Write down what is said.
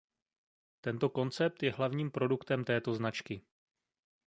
Tento koncept je hlavním produktem této značky.